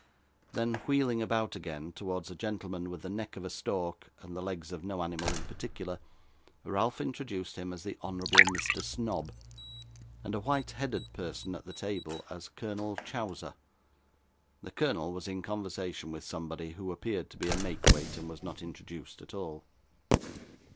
Then wheeling about again, towards a gentleman with the neck of a stork and the legs of no animal in particular, Ralph introduced him as the Honourable Mr. Snobb; and a white headed person at the table as Colonel Chowser. The colonel was in conversation with somebody, who appeared to be a make weight, and was not introduced at all.